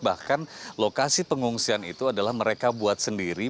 bahkan lokasi pengungsian itu adalah mereka buat sendiri